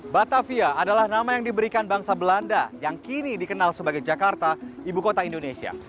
batavia adalah nama yang diberikan bangsa belanda yang kini dikenal sebagai jakarta ibu kota indonesia